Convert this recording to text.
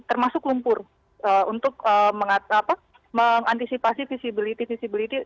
termasuk lumpur untuk mengantisipasi visibility visibility